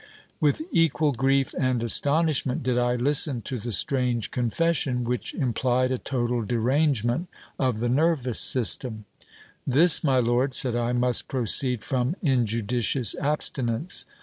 With equal grief and astonishment did I listen to the strange confession, which implied a total derangement of the nervous system. This, my lord, said I, must proceed from injudicious abstinence.